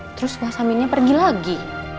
terus wasaminnya pergi lagi